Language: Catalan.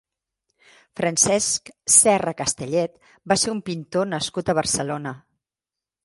Francesc Serra Castellet va ser un pintor nascut a Barcelona.